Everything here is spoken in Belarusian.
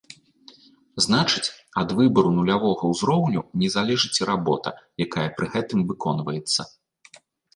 Значыць, ад выбару нулявога ўзроўню не залежыць і работа, якая пры гэтым выконваецца.